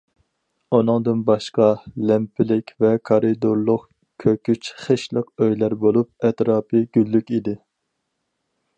ئۇنىڭدىن باشقا، لەمپىلىك ۋە كارىدورلۇق، كۆكۈچ خىشلىق ئۆيلەر بولۇپ، ئەتراپى گۈللۈك ئىدى.